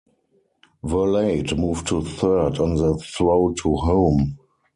Verlade moved to third on the throw to home.